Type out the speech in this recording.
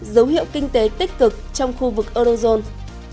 dấu hiệu kinh tế tích cực trong khu vực eurozone